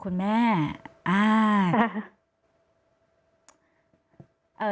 คุณแม่